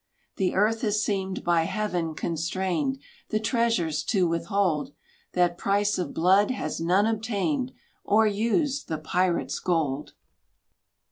The earth has seemed by Heaven constrained. The treasures to withhold That price of blood has none obtained, Or used the pirate's gold!